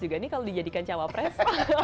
juga nih kalau dijadikan cawapres